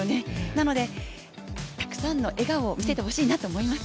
なので、たくさんの笑顔を見せてほしいなと思います。